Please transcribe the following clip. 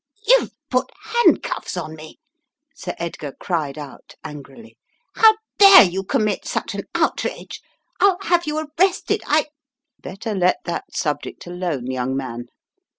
"You've put handcuffs on me," Sir Edgar cried out, angrily. "How dare you commit such an outrage! I'll have you arrrested — I " "Better let that subject alone, young man.